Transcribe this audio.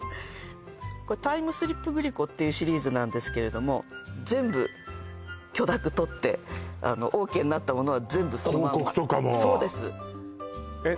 これタイムスリップグリコっていうシリーズなんですけれども全部許諾とってＯＫになったものは全部そのまんま広告とかもそうですえっ